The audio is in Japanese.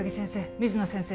水野先生